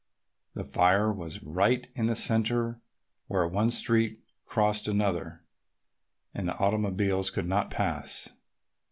The fire was right in the centre where one street crossed another and the automobiles could not pass.